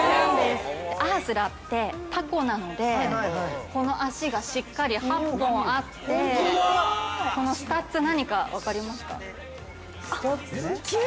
アースラってタコなんでこの足がしっかり８本あってこのスタッツ何か分かりますか。